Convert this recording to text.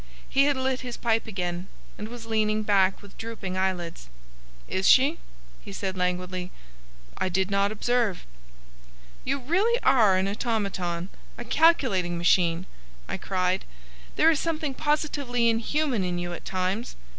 He had lit his pipe again, and was leaning back with drooping eyelids. "Is she?" he said, languidly. "I did not observe." "You really are an automaton,—a calculating machine!" I cried. "There is something positively inhuman in you at times."